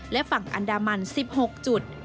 และฝั่งอันดามัน๑๖จุด